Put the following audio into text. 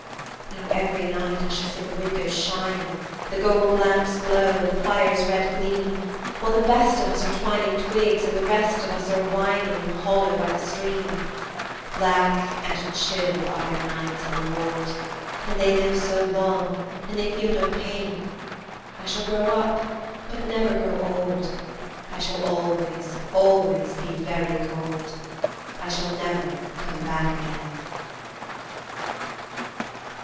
Now, every night I shall see the windows shining, The gold lamp's glow, and the fire's red gleam, While the best of us are twining twigs and the rest of us are whining In the hollow by the stream. Black and chill are Their nights on the wold ; And They live so long and They feel no pain : I shall grow up, but never grow old, I shall always, always be very cold, I shall never come back again